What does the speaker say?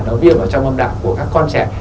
nó viêm vào trong âm đạo của các con trẻ